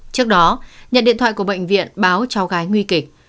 trước đó nhận điện thoại của bệnh viện báo cháu gái nguy kịch